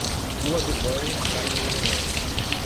Rua do banho, caixa drenada.